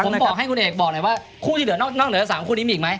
อ้าวเดี๋ยวผมบอกให้กูเอกบอกหน่อยว่าคู่ที่เหลือนอกเหลือ๓คู่นี้มีอีกไหม